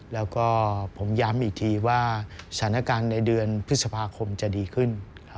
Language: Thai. แล้วก็ผมย้ำอีกทีว่าสถานการณ์ในเดือนพฤษภาคมจะดีขึ้น